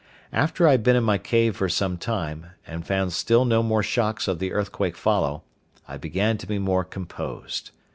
After I had been in my cave for some time, and found still no more shocks of the earthquake follow, I began to be more composed.